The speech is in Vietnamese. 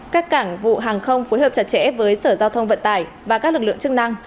các cảng vụ hàng không phối hợp chặt chẽ với sở giao thông vận tải và các lực lượng chức năng